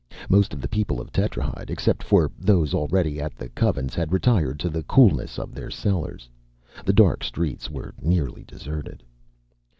Most of the people of Tetrahyde, except for those already at the Covens, had retired to the coolness of their cellars. The dark streets were nearly deserted.